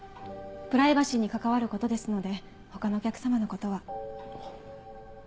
プライバシーに関わることですので他のお客様のことは。